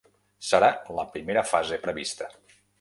Serà la primera fase prevista.